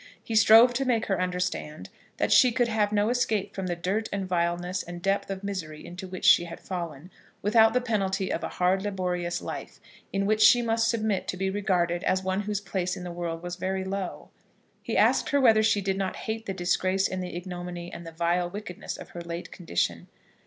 He strove to make her understand that she could have no escape from the dirt and vileness and depth of misery into which she had fallen, without the penalty of a hard, laborious life, in which she must submit to be regarded as one whose place in the world was very low. He asked her whether she did not hate the disgrace and the ignominy and the vile wickedness of her late condition.